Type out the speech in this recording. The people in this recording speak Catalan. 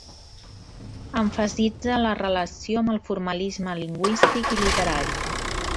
Emfasitza la relació amb el formalisme lingüístic i literari.